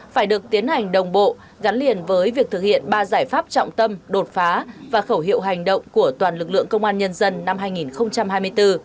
phải được tiến hành đồng bộ gắn liền với việc thực hiện ba giải pháp trọng tâm đột phá và khẩu hiệu hành động của toàn lực lượng công an nhân dân năm hai nghìn hai mươi bốn